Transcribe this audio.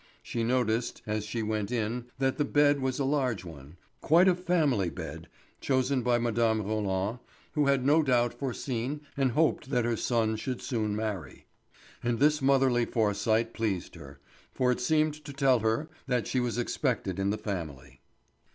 She noticed as she went in that the bed was a large one, quite a family bed, chosen by Mme. Roland, who had no doubt foreseen and hoped that her son should soon marry; and this motherly foresight pleased her, for it seemed to tell her that she was expected in the family.